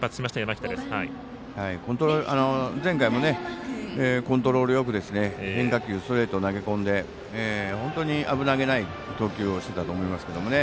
前回もコントロールよく変化球、ストレートを投げ込んで、本当に危なげない投球をしてたと思いますけどね。